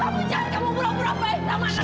kamu jahat kamu berob ob sama anak saya